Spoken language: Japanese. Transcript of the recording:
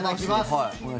はい？